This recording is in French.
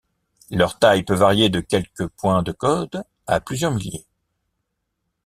Leur taille peut varier de quelques point de codes à plusieurs milliers.